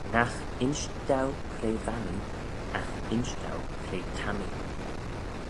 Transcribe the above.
Nagh insh dou cre va mee, agh insh dou cre ta mee